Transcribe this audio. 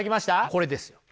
これですよ。